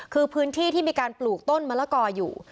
คือพื้นที่ที่มีการปลูกต้นมะละกออยู่